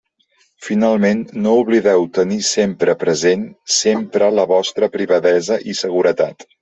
Finalment, no oblideu tenir sempre present sempre la vostra privadesa i seguretat.